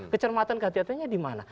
kecermatan kehatiannya dimana